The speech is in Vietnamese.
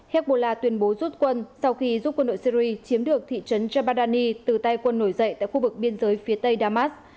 hezbollah tuyên bố rút quân sau khi giúp quân đội syri chiếm được thị trấn jabadani từ tay quân nổi dậy tại khu vực biên giới phía tây damas